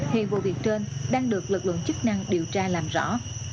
hiện vụ việc trên đang được lực lượng chức năng điều tra làm rõ